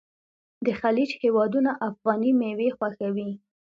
د خلیج هیوادونه افغاني میوې خوښوي.